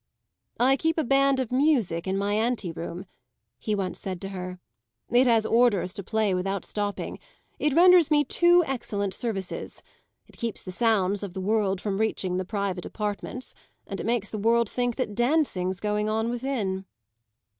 "I keep a band of music in my ante room," he said once to her. "It has orders to play without stopping; it renders me two excellent services. It keeps the sounds of the world from reaching the private apartments, and it makes the world think that dancing's going on within."